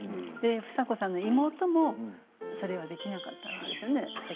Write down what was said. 房子さんの妹もできなかったんですね